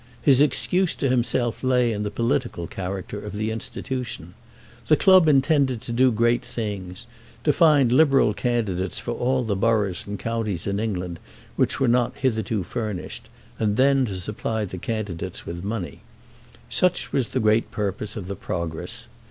His excuse to himself lay in the political character of the institution. The club intended to do great things, to find Liberal candidates for all the boroughs and counties in England which were not hitherto furnished, and then to supply the candidates with money. Such was the great purpose of the Progress.